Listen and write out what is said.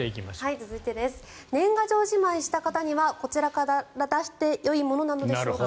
続いて年賀状じまいした方にはこちらから出してよいものなのでしょうか